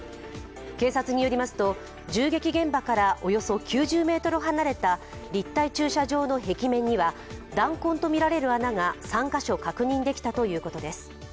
警察によりますと、銃撃現場からおよそ９０ｍ離れた立体駐車場の壁面には弾痕とみられる穴が３カ所確認できたということです。